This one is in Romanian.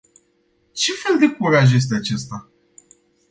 Ce fel de curaj este acesta?